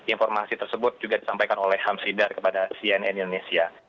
informasi tersebut juga disampaikan oleh hamsidar kepada cnn indonesia